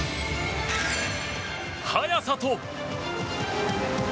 速さと。